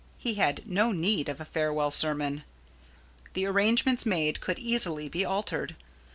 He had no need of a farewell sermon. The arrangements made could easily be altered.